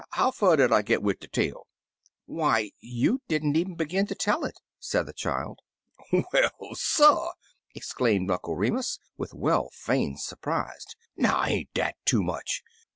How fur did I git wid de tale?'* "Why, you did n't even begin to tell it," said the child. "Well, suh!" exclaimed Uncle Remus, with well feigned surprise. "Now, ain't dat too much